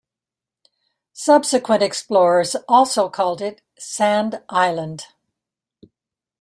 Subsequent explorers also called it "Sand Island".